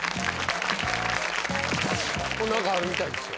何かあるみたいですよ。